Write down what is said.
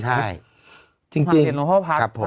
หลวงพ่อพัฒน์ทั้งหมด